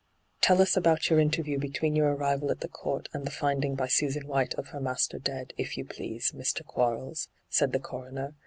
' Tell us about your interview between your arrival at the Court and the finding by Susan White of her master dead, if you please, Mr. Quarles,' said the coroner.